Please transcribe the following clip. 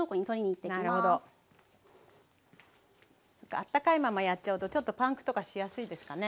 あったかいままやっちゃうとちょっとパンクとかしやすいですかね？